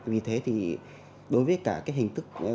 vì thế thì đối với cả cái hình thức